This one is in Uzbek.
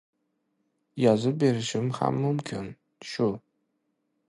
Yozib berishim ham mumkin. Shu!